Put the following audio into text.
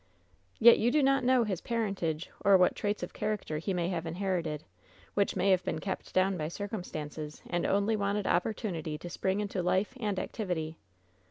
"Yet you do not know his parentage, or what traits of character he may have inherited, which may have been kept down by circumstances, and only wanted op portunity to spring into life and activity."